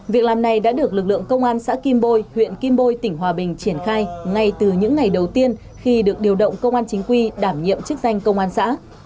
việc làm này đã được lực lượng công an xã kim bôi huyện kim bôi tỉnh hòa bình triển khai ngay từ những ngày đầu tiên khi được điều động công an chính quy đảm nhiệm chức danh công an xã